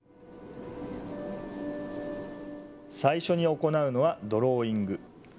最初に行うのはドローイング。